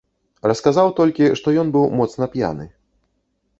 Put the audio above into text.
Расказаў толькі, што ён быў моцна п'яны.